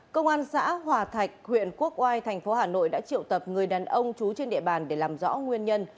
công an xã hòa thạch huyện quốc oai thành phố hà nội đã triệu tập người đàn ông trú trên địa bàn để làm rõ nguyên nhân